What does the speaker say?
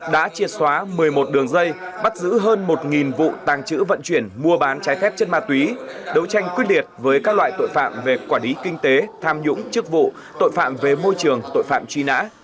đã chia xóa một mươi một đường dây bắt giữ hơn một vụ tàng trữ vận chuyển mua bán trái phép chất ma túy đấu tranh quyết liệt với các loại tội phạm về quản lý kinh tế tham nhũng chức vụ tội phạm về môi trường tội phạm truy nã